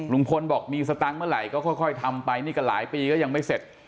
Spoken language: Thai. ลุงพลบอกมีสตังค์เมื่อไหร่ก็ค่อยทำไปนี่ก็หลายปีก็ยังไม่เสร็จ